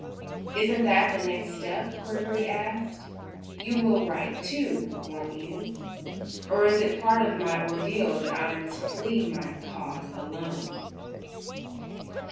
"Isn't that the next step?" Gregory asked. "You will write, too, won't you? Or is it part of my ordeal that I'm to plead my cause alone?"